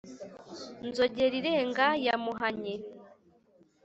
Nzogerirenga ya Muhanyi,